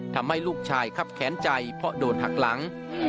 ทำให้ลูกชายครับแค้นใจเพราะโดนหักหลัง